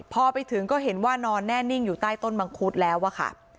พอไปถึงก็เห็นว่านอนแน่นิ่งอยู่ใต้ต้นมังคุดแล้วอะค่ะ